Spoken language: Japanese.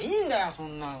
そんなの。